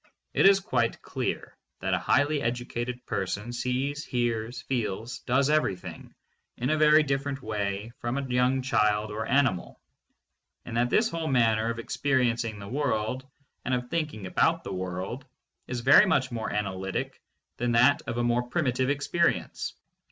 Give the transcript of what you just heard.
It is quite clear that a highly educated person sees, hears, feels, does everything in a very different way from a young child or animal, and that this whole manner of experiencing the world and of thinking about the world is 500 THE MONIST. very much more analytic than that of a more primitive ex perience.